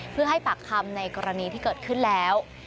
เพื่อให้ปากคำในกรณีที่เกิดขึ้นแล้ว